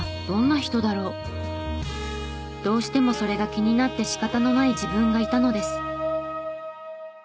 どうしてもそれが気になって仕方のない自分がいたのです。